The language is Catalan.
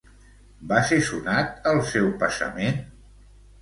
Va ser sonat el seu passament?